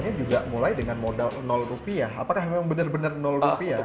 ini juga mulai dengan modal rupiah apakah memang benar benar rupiah